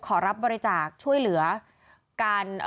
ขอรับบริจาคช่วยเหลือการ